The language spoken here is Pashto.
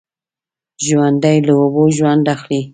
ژوندي له اوبو ژوند اخلي